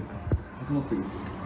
挟まってる。